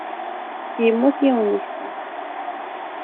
Yemmut yiwen deg-sen.